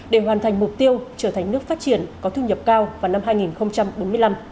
để hoàn thành mục tiêu trở thành nước phát triển có thu nhập cao vào năm hai nghìn bốn mươi năm